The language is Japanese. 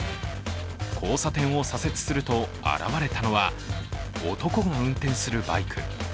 交差点を左折すると現れたのは、男が運転するバイク。